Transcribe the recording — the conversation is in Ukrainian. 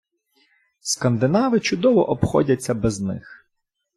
Скандинави чудово обходяться без них.